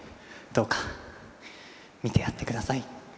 どうか見てやってください。